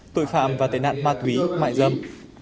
tội phạm và tên nạn ma túy mại dâm